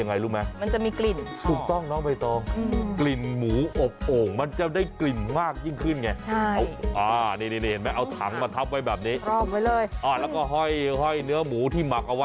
นี่ใช้กาบมะพร้าว